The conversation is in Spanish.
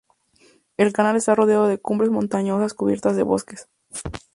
El canal está rodeado de cumbres montañosas cubiertas de bosques.